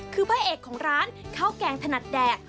คือพระเอกของร้านข้าวแกงถนัดแดด